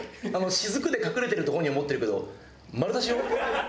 滴で隠れてると本人思ってるけど丸出しよ。